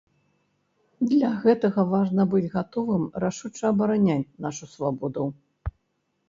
Для гэтага важна быць гатовым рашуча абараняць нашу свабоду.